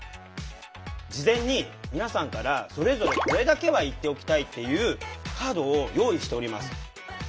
事前に皆さんからそれぞれこれだけは言っておきたいっていうカードを用意しております。